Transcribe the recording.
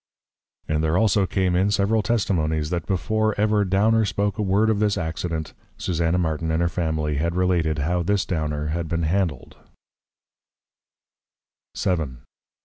And there also came in several Testimonies, that before ever Downer spoke a word of this Accident, Susanna Martin and her Family had related, How this +Downer+ had been handled! VII.